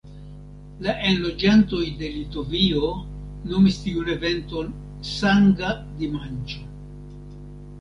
La enloĝantoj de Litovio nomis tiun eventon "Sanga Dimanĉo".